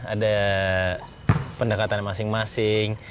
ada pendekatan masing masing